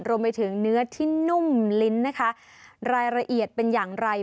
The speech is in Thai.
รวมไปถึงเนื้อที่นุ่มลิ้นนะคะรายละเอียดเป็นอย่างไร